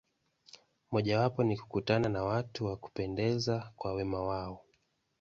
Mojawapo ni kukutana na watu wa kupendeza kwa wema wao.